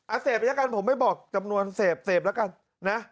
เสพแล้วกันผมไม่บอกจำนวนเสพเสพแล้วกันนะ